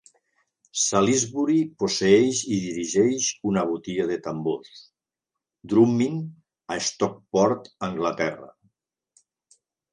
Salisbury posseeix i dirigeix una botiga de tambors, "Drummin", a Stockport, Anglaterra.